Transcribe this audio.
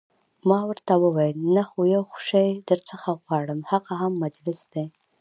ما ورته وویل: نه، خو یو شی درڅخه غواړم، هغه هم مجلس دی.